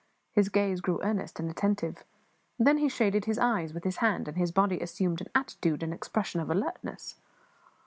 His gaze grew earnest and attentive; then he shaded his eyes with his hand, and his body assumed an attitude and expression of alertness.